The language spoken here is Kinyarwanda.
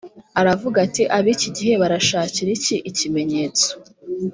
aravuga ati ab iki gihe barashakira iki ikimenyetso